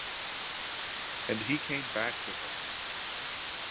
And he came back to her.